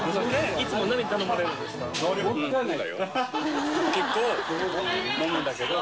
いつも何頼まれるんですか？